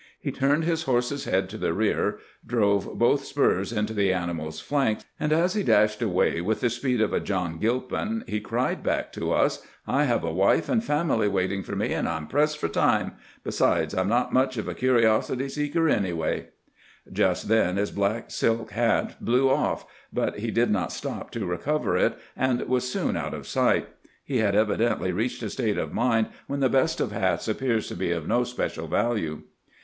He turned bis borse's bead to tbe rear, drove botb spurs into tbe ani mal's flanks, and as be dasbed away witb tbe speed of a Jobn Grilpin, be cried back to us : "I bave a wife and family waiting for me, and I 'm pressed for time. Be sides, I 'm not mucb of a curiosity seeker anyway." Just tben bis black silk bat blew off, but be did not stop to recover it, and ly^ s soon out of sigbt. He bad evidently reacbed a state of mind wben tbe best of bats appears to be of no special value.